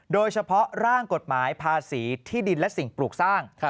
โดยเฉพาะร่างกฎหมายภาษีที่ดินและสิ่งปลูกสร้าง